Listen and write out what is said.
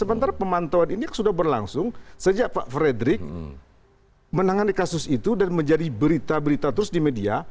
sementara pemantauan ini sudah berlangsung sejak pak frederick menangani kasus itu dan menjadi berita berita terus di media